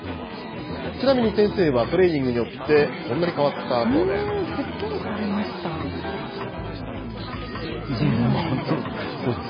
ちなみに先生はトレーニングによって、こんなに変わったそうです。